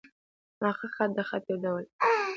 محقق خط؛ د خط یو ډول دﺉ.